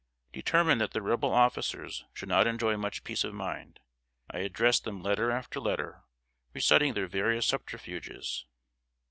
Determined that the Rebel officials should not enjoy much peace of mind, I addressed them letter after letter, reciting their various subterfuges.